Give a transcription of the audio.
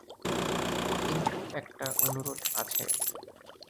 কিন্তু একটা অনুরোধ আছে।